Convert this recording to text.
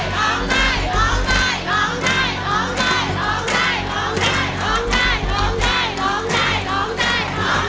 ร้องได้ร้องได้ร้องได้ร้องได้ร้องได้ร้องได้